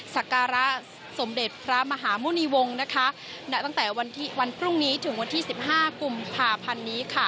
สักการะสมเด็จพระมหามุนิวงศ์ตั้งแต่วันพรุ่งนี้ถึงวันที่๑๕กุมภาพันธ์นี้